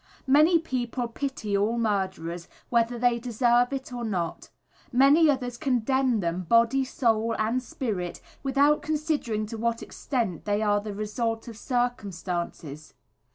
Many people pity all murderers, whether they deserve it or not; many others condemn them body, soul and spirit, without considering to what extent they are the result of circumstances.